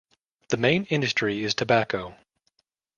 The main industry is tobacco.